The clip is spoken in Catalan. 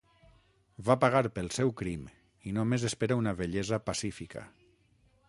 Va pagar pel seu crim i només espera una vellesa pacífica.